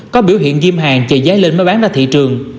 có biểu hiện ghim hàng chạy giấy lên mới bán ra thị trường